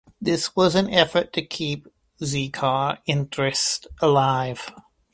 This was an effort to keep Z-car interest alive.